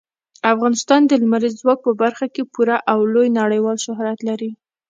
افغانستان د لمریز ځواک په برخه کې پوره او لوی نړیوال شهرت لري.